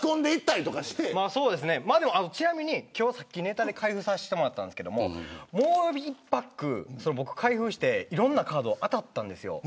ちなみにさっきネタで開封させてもらったんですけどもう１パック開封していろんなカード当たったんです。